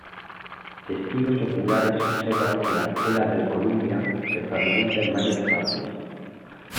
Testigos oculares observan que la estela del Columbia se fragmenta en varias partes.